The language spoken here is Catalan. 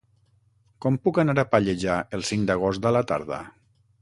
Com puc anar a Pallejà el cinc d'agost a la tarda?